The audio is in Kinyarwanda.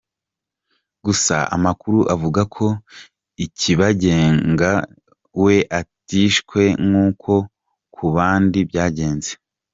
Gusa amakuru avuga ko Ikibagenga we atishwe nk’uko ku bandi byagenze.